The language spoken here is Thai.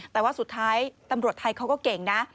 แต่ว่าสุดท้ายตำรวจไทยเขาก็เก่งนะ